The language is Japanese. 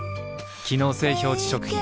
機能性表示食品